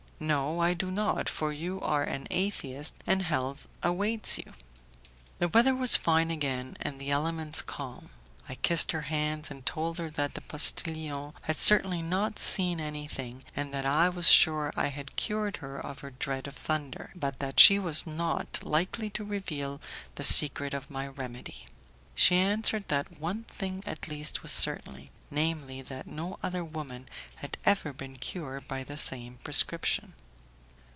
"No, I do not, for you are an atheist, and hell awaits you." The weather was fine again, and the elements calm; I kissed her hands and told her that the postillion had certainly not seen anything, and that I was sure I had cured her of her dread of thunder, but that she was not likely to reveal the secret of my remedy. She answered that one thing at least was certain, namely that no other woman had ever been cured by the same prescription.